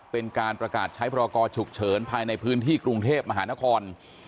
เป็นการประกาศใช้พรกรฉุกเฉินภายในพื้นที่กรุงเทพมหานคร